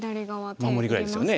守りぐらいですよね。